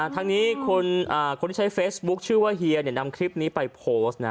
ทางนี้คนที่ใช้เฟซบุ๊คชื่อว่าเฮียนำคลิปนี้ไปโพสต์